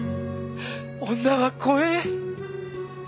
女は怖え。